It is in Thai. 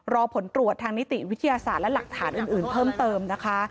รอผลตรวจทางนิติวิทยาศาสตร์และหลักฐานอื่นเพิ่มเติมนะคะ